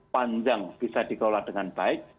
panjang bisa dikelola dengan baik